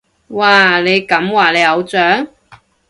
哇，你咁話你偶像？